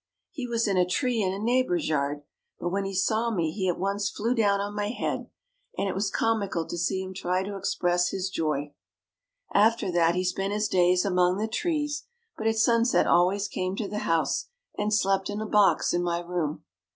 He was in a tree in a neighbor's yard, but when he saw me he at once flew down on my head, and it was comical to see him try to express his joy. After that he spent his days among the trees, but at sunset always came to the house and slept in a box in my room.